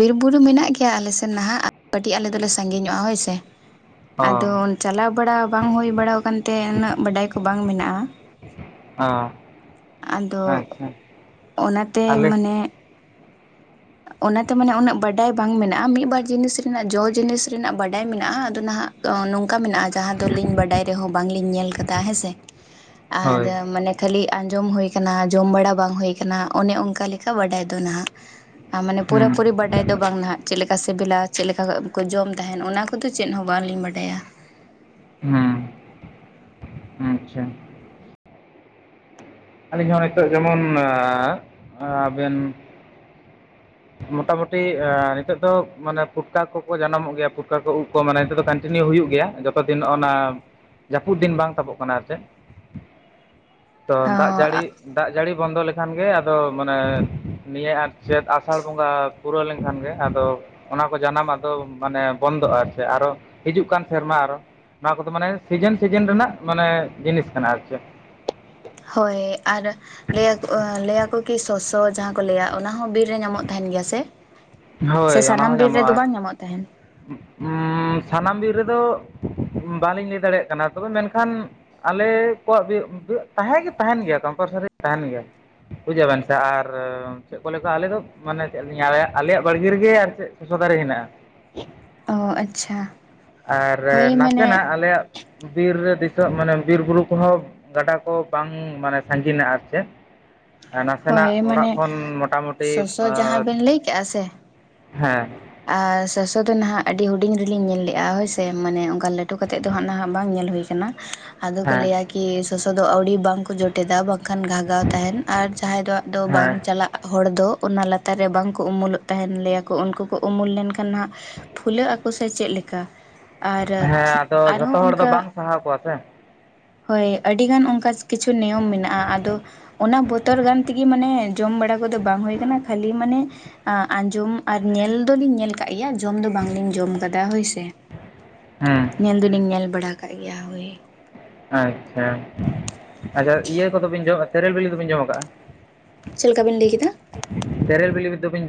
ᱵᱤᱨ ᱵᱩᱨᱩ ᱢᱮᱱᱟᱜ ᱜᱮᱭᱟ ᱟᱞᱮ ᱥᱮᱫ ᱱᱟᱜ ᱠᱟᱹᱴᱤᱡ ᱟᱞᱮ ᱫᱚᱞᱮ ᱥᱟᱺᱜᱤ ᱧᱚᱜᱼᱟ ᱦᱚᱭ ᱥᱮ ᱾ ᱚ ᱟᱫᱚ ᱪᱟᱞᱟᱣ ᱵᱟᱲᱟ ᱵᱟᱝ ᱦᱩᱭ ᱵᱟᱲᱟ ᱟᱠᱟᱱᱛᱮ ᱩᱱᱟᱹᱜ ᱵᱟᱰᱟᱭ ᱠᱚ ᱵᱟᱝ ᱢᱮᱱᱟᱜᱼᱟ ᱾ ᱚᱦ ᱟᱫᱚ ᱟᱪᱪᱷᱟ ᱟᱪᱪᱷᱟ ᱾ ᱚᱱᱟᱛᱮ ᱢᱟᱱᱮᱼᱼ ᱚᱱᱟᱛᱮ ᱢᱟᱱᱮ ᱩᱱᱟᱹᱜ ᱵᱟᱰᱟᱭ ᱵᱟᱝ ᱢᱮᱱᱟᱜᱼᱟ, ᱢᱤᱫ ᱵᱟᱨ ᱡᱤᱱᱤᱥ ᱨᱮᱱᱟᱜ ᱡᱚ ᱡᱤᱱᱤᱥ ᱨᱮᱱᱟᱜ ᱵᱟᱰᱟᱭ ᱢᱮᱱᱟᱜᱼᱟ ᱟᱫᱚ ᱱᱟᱜᱼᱼ ᱛᱚ ᱱᱚᱝᱠᱟ ᱢᱮᱱᱟᱜᱼᱟᱼᱼ ᱡᱟᱦᱟᱸ ᱫᱚᱞᱤᱧ ᱵᱟᱰᱟᱭ ᱨᱮᱦᱚᱸ ᱵᱟᱝᱞᱤᱧ ᱧᱮᱞ ᱟᱠᱟᱫᱟ ᱦᱮᱸᱥᱮ᱾ ᱟᱨ ᱦᱳᱭ ᱢᱟᱱᱮᱼᱼ ᱠᱷᱟᱹᱞᱤ ᱟᱸᱡᱚᱢ ᱦᱩᱭ ᱟᱠᱟᱱᱟ ᱡᱚᱢ ᱵᱟᱲᱟ ᱵᱟᱝ ᱦᱩᱭ ᱠᱟᱱᱟ ᱚᱱᱮ ᱚᱱᱠᱟ ᱞᱮᱠᱟ ᱵᱟᱰᱟᱭ ᱫᱚ ᱱᱟᱜ ᱾ ᱟ ᱢᱟᱱᱮ ᱦᱩᱸ ᱯᱩᱨᱟᱹ ᱯᱩᱨᱤ ᱵᱟᱰᱟᱭ ᱫᱚ ᱵᱟᱝ ᱱᱟᱦᱟᱜ ᱪᱮᱫ ᱞᱮᱠᱟ ᱥᱤᱵᱤᱞᱟ ᱪᱮᱫ ᱞᱮᱠᱟ ᱠᱚ ᱡᱚᱢ ᱛᱟᱦᱮᱸᱱ ᱚᱱᱟ ᱠᱚᱫᱚ ᱪᱮᱫ ᱦᱚᱸ ᱵᱟᱝᱞᱤᱧ ᱵᱟᱰᱟᱭᱟ᱾ ᱦᱩᱸ, ᱟᱪᱪᱷᱟ ᱾ ᱟᱞᱤᱧ ᱦᱚᱸ ᱱᱤᱛᱚᱜ ᱡᱮᱢᱚᱱ ᱟᱻ ᱟᱵᱮᱱ ᱢᱚᱴᱟ ᱢᱩᱴᱤ ᱮᱸ ᱱᱤᱛᱚᱜ ᱫᱚ ᱢᱟᱱᱮ ᱯᱩᱴᱠᱟ ᱠᱚᱠᱚ ᱡᱟᱱᱟᱢᱚᱜ ᱜᱮᱭᱟ ᱯᱩᱴᱠᱟ ᱠᱚ ᱩᱫ ᱠᱚ ᱢᱟᱱᱮ ᱱᱤᱛᱚᱜ ᱫᱚ ᱠᱟᱱᱴᱤᱱᱤᱭᱩ ᱦᱩᱭᱩᱜ ᱜᱮᱭᱟ ᱡᱚᱛᱚ ᱫᱤᱱ ᱚᱱᱟ ᱡᱟᱯᱩᱫ ᱫᱤᱱ ᱵᱟᱝ ᱛᱟᱵᱚᱜ ᱠᱟᱱᱟ ᱟᱨ ᱪᱮᱫ, ᱛᱚ ᱫᱟᱜ ᱦᱚᱸ ᱡᱟᱲᱤ ᱫᱟᱜ ᱡᱟᱲᱤ ᱵᱚᱱᱫᱚ ᱞᱮᱠᱷᱟᱱ ᱜᱮ ᱟᱫᱚ ᱢᱟᱱᱮ, ᱱᱤᱭᱟᱹ ᱟᱨ ᱪᱮᱫ ᱟᱥᱟᱲ ᱵᱚᱸᱜᱟ ᱯᱩᱨᱟᱹᱣ ᱞᱮᱝᱠᱷᱟᱱ ᱜᱮ ᱟᱫᱚ ᱚᱱᱟ ᱠᱚ ᱡᱟᱱᱟᱢ ᱟᱫᱚ ᱢᱟᱱᱮ ᱵᱚᱱᱫᱚᱜᱼᱟ ᱟᱨ ᱪᱮᱜ ᱟᱨᱚ, ᱦᱤᱡᱩᱜ ᱠᱟᱱ ᱥᱮᱨᱢᱟ ᱟᱨᱚ᱾ ᱱᱚᱣᱟ ᱠᱚᱫᱚ ᱢᱟᱱᱮ ᱥᱤᱡᱮᱱ ᱥᱤᱡᱤᱱ ᱨᱮᱱᱟᱜ ᱢᱟᱱᱮ ᱡᱤᱱᱤᱥ ᱠᱟᱱᱟ ᱟᱨ ᱪᱮᱫ᱾ ᱦᱳᱭ ᱟᱨ ᱞᱟᱹᱭ ᱟᱠᱚ, ᱞᱟᱹᱭ ᱟᱠᱚ ᱠᱤ ᱥᱚᱥᱥᱚ ᱡᱟᱦᱟᱸ ᱠᱚ ᱞᱟᱹᱭᱟ ᱚᱱᱟ ᱦᱚᱸ ᱵᱤᱨ ᱨᱮ ᱧᱟᱢᱚᱜ ᱛᱟᱦᱮᱸᱱ ᱜᱮᱭᱟ ᱥᱮ, ᱥᱮ ᱥᱟᱱᱟᱢ ᱵᱤᱨ ᱨᱮᱫᱚ ᱵᱟᱝ ᱧᱟᱢᱚᱜ ᱛᱟᱦᱮᱸᱱ? ᱩᱸᱻ ᱥᱟᱱᱟᱢ ᱵᱤᱨ ᱨᱮᱫᱚ ᱵᱟᱞᱤᱧ ᱞᱟᱹᱭ ᱫᱟᱲᱮᱭᱟᱜ ᱠᱟᱱᱟ ᱛᱚᱵᱮ ᱢᱮᱱᱠᱷᱟᱱ ᱟᱞᱮ ᱠᱚᱣᱟᱜ ᱵᱤ ᱵᱤ, ᱛᱟᱦᱮᱸ ᱜᱮ ᱛᱟᱦᱮᱸᱱ ᱜᱮᱭᱟ ᱠᱚᱢᱯᱟᱞᱥᱟᱨᱤ ᱛᱟᱦᱮᱸᱱ ᱜᱮᱭᱟ᱾ ᱵᱩᱡᱷᱟᱹᱣ ᱵᱮᱱ ᱥᱮ ᱟᱨ ᱪᱮᱫ ᱠᱚ ᱞᱮᱠᱟ ᱟᱞᱮ ᱫᱚ ᱢᱟᱱᱮ ᱪᱮᱫ ᱞᱟᱹᱭᱤᱧ ᱟᱞᱮᱭᱟᱜ ᱟᱞᱮᱭᱟᱜ ᱵᱟᱲᱜᱮ ᱨᱮᱜᱮ ᱟᱨ ᱪᱮᱫ ᱥᱚᱥᱚ ᱫᱟᱨᱮ ᱦᱮᱱᱟᱜᱼᱟ᱾ ᱚ ᱟᱪᱪᱷᱟ ᱟᱨ ᱦᱳᱭ ᱢᱟᱱᱮ ᱱᱟᱥᱮᱱᱟᱜ ᱟᱞᱮᱭᱟᱜ ᱵᱤᱨ ᱨᱮ ᱫᱤᱥᱟᱹᱜ ᱢᱟᱱᱮ ᱵᱤᱨ ᱵᱩᱨᱩ ᱠᱚᱦᱚᱸ ᱜᱟᱰᱟ ᱠᱚ ᱵᱟᱝ ᱢᱟᱱᱮ ᱥᱟᱺᱜᱤᱱᱟ ᱟᱨ ᱪᱮᱫ, ᱱᱟᱥᱮᱱᱟᱜ ᱦᱳᱭ ᱚᱲᱟᱜ ᱢᱟᱱᱮ ᱠᱷᱚᱱ ᱢᱚᱴᱟᱢᱩᱴᱤ ᱥᱚᱥᱚ ᱡᱟᱦᱟᱸ ᱟᱸ ᱵᱮᱱ ᱞᱟᱹᱭ ᱠᱮᱜᱼᱟ ᱥᱮ, ᱦᱮᱸ᱾ ᱟᱨ ᱥᱚᱥᱚ ᱫᱚ ᱱᱟᱦᱟᱜ ᱟᱹᱰᱤ ᱦᱩᱰᱤᱧ ᱨᱮᱞᱤᱧ ᱧᱮᱞ ᱞᱮᱜᱼᱟ ᱦᱳᱭᱥᱮ ᱢᱟᱱᱮ ᱚᱝᱠᱟ ᱞᱟᱴᱩ ᱠᱟᱛᱮᱫ ᱫᱚ ᱦᱟᱸᱜ ᱱᱟᱦᱟᱜ ᱵᱟᱝ ᱧᱮᱞ ᱦᱩᱭ ᱠᱟᱱᱟ, ᱟᱫᱚ ᱠᱚ ᱦᱮᱸ ᱞᱟᱹᱭᱟ ᱠᱤ ᱥᱚᱥᱚ ᱫᱚ ᱟᱹᱣᱲᱤ ᱵᱟᱝᱠᱚ ᱡᱚᱴᱮᱫᱟ ᱵᱟᱝᱠᱷᱟᱱ ᱜᱷᱟᱜᱟᱣ ᱛᱟᱦᱮᱸᱱ ᱟᱨ ᱡᱟᱦᱟᱸᱭ ᱫᱚᱣᱟᱜ ᱫᱚ ᱵᱟᱝ ᱦᱮᱸ ᱪᱟᱞᱟᱜ ᱦᱚᱲ ᱫᱚ ᱚᱱᱟ ᱞᱟᱛᱟᱨ ᱨᱮ ᱵᱟᱝᱠᱚ ᱩᱢᱩᱞᱚᱜ ᱛᱟᱦᱮᱸᱱ ᱞᱮᱭᱟ ᱠᱚ ᱩᱱᱠᱩ ᱠᱚ ᱩᱢᱩᱞ ᱞᱮᱱᱠᱷᱟᱱ ᱱᱟᱦᱟᱜ ᱯᱷᱩᱞᱟᱹᱜ ᱟᱠᱚ ᱥᱮ ᱪᱮᱫ ᱞᱮᱠᱟ᱾ ᱟᱨ ᱦᱮᱸ ᱟᱫᱚ ᱟᱨᱦᱚᱸ ᱡᱷᱚᱛᱚ ᱦᱚᱲ ᱫᱚ ᱚᱱᱠᱟ ᱵᱟᱝ ᱥᱟᱦᱟᱣ ᱠᱚᱣᱟ ᱥᱮ, ᱦᱳᱭ ᱟᱹᱰᱤᱜᱟᱱ ᱚᱝᱠᱟ ᱠᱤᱪᱷᱩ ᱱᱤᱭᱚᱢ ᱢᱮᱱᱟᱜᱼᱟ ᱟᱫᱚ, ᱚᱱᱟ ᱵᱚᱛᱚᱨ ᱜᱟᱱ ᱛᱤᱜᱤᱢ ᱢᱟᱱᱮ ᱡᱚᱢ ᱵᱟᱲᱟ ᱠᱚᱫᱚ ᱵᱟᱝ ᱦᱩᱭ ᱠᱟᱱᱟ ᱠᱷᱟᱹᱞᱤ ᱢᱟᱱᱮ, ᱟᱸ ᱟᱸᱡᱚᱢ ᱟᱨ ᱧᱮᱞ ᱫᱚᱞᱤᱧ ᱧᱮᱞ ᱠᱟᱜ ᱜᱮᱭᱟ ᱡᱚᱢ ᱫᱚ ᱵᱟᱝᱞᱤᱧ ᱡᱚᱢ ᱠᱟᱫᱟ ᱦᱳᱭᱥᱮ᱾ ᱦᱩᱸ ᱧᱮᱞ ᱫᱚᱞᱤᱧ ᱧᱮᱞ ᱵᱟᱲᱟ ᱟᱠᱟᱜ ᱜᱮᱭᱟ ᱦᱳᱭ᱾ ᱟᱪᱪᱷᱟ, ᱟᱪᱪᱷᱟ ᱤᱭᱟᱹ ᱠᱚᱫᱚᱵᱤᱱ ᱡᱚᱢ ᱛᱮᱨᱮᱞ ᱵᱤᱞᱤ ᱫᱚᱵᱤᱱ ᱡᱚᱢ ᱠᱟᱜᱼᱟ? ᱪᱮᱞᱮᱠᱟ ᱵᱤᱱ ᱞᱟᱹᱭ ᱠᱮᱫᱟ? ᱛᱮᱨᱮᱞ ᱵᱤᱞᱤ ᱫᱚᱵᱤᱱ ᱡᱚᱢ